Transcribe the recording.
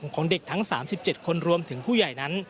ของเด็กทั้ง๓๗คนรวมถึงผู้ใหญ่นั้น